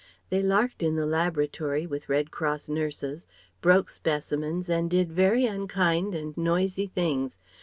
They larked in the laboratory with Red Cross nurses, broke specimens, and did very unkind and noisy things